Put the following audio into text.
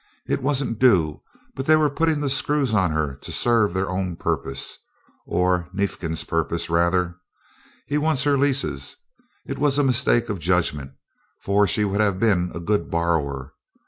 "It wasn't due, but they were putting the screws on her to serve their own purpose or Neifkins' purpose, rather. He wants her leases. It was a mistake of judgment, for she would have been a good borrower.